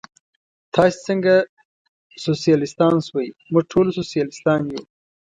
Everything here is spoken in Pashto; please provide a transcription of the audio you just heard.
تاسې څنګه سوسیالیستان شوئ؟ موږ ټول سوسیالیستان یو.